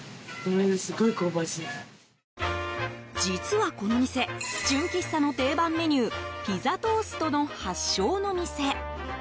実はこの店純喫茶の定番メニューピザトーストの発祥の店。